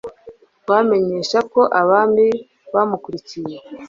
twabamenyesha Ko, abami bamukurikiye